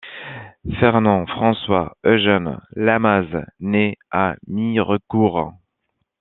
Fernand, François, Eugène Lamaze naît à Mirecourt.